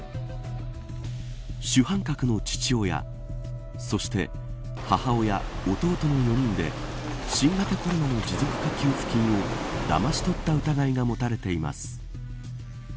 主犯格の父親そして母親、弟の４人で新型コロナの持続化給付金をだまし取った疑いが持たれています。